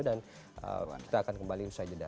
dan kita akan kembali usai jeda